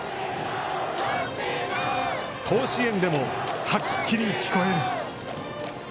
甲子園でも、はっきり聞こえる。